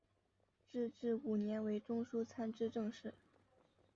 至正五年为中书参知政事。